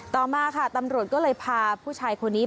ต่อมาค่ะตำรวจก็เลยพาผู้ชายคนนี้